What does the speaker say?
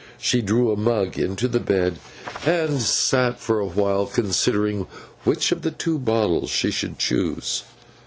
She drew a mug into the bed, and sat for a while considering which of the two bottles she should choose.